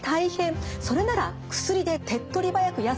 それなら薬で手っとり早くやせたい。